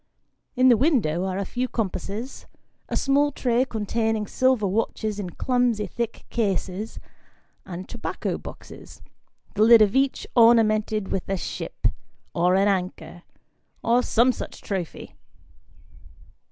In the window, are a few com passes, a small tray containing silver watches in clumsy thick cases ; and tobacco boxes, the lid of each ornamented with a ship, or an anchor, or some such trophy.